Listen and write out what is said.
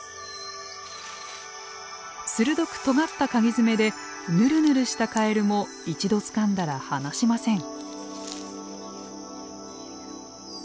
鋭くとがったかぎ爪でヌルヌルしたカエルも一度つかんだら離しません。